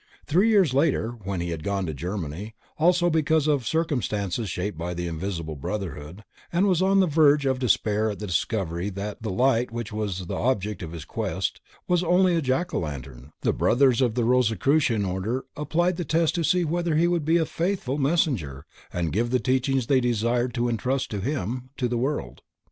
Three years later, when he had gone to Germany, also because of circumstances shaped by the invisible Brotherhood, and was on the verge of despair at the discovery that the light which was the object of his quest, was only a jack o lantern, the Brothers of the Rosicrucian Order applied the test to see whether he would be a faithful messenger and give the teachings they desired to entrust to him, to the world.